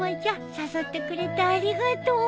誘ってくれてありがとう。